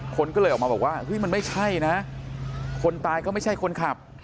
คนก็เลยออกมาบอกว่าเฮ้ยมันไม่ใช่นะคนตายก็ไม่ใช่คนขับ